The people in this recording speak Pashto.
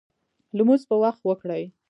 لمونځ په وخت وکړئ